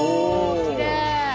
きれい！